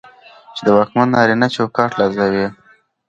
چې د واکمن نارينه چوکاټ له زاويې